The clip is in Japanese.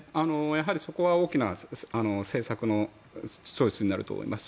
やはりそこは大きな政策のチョイスになると思います。